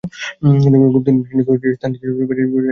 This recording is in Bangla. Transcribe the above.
গুপ্তধনের জন্য চিহ্নিত স্থানটি ছিল মাটি জমে ভরাট হওয়া একটি কুয়ো।